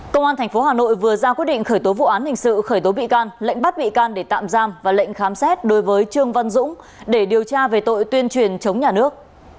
công an tp hà nội vừa ra quyết định khởi tố vụ án hình sự khởi tố bị can lệnh bắt bị can để tạm giam và lệnh khám xét đối với trương văn dũng để điều tra về tội tuyên truyền chống nhà nước